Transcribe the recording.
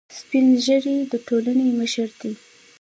سپین ږیری د ټولنې مشران دي